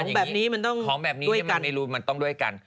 แต่ว่าของแบบนี้มันต้องด้วยกัน